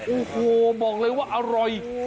โอ้โหบอกเลยว่าอร่อย